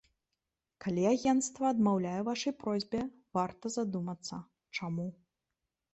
Калі агенцтва адмаўляе ў вашай просьбе, варта задумацца, чаму.